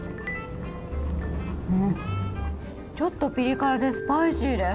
うん、ちょっとピリ辛でスパイシーです。